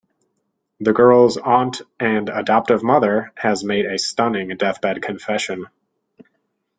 The girl's aunt-and adoptive mother-has made a stunning deathbed confession.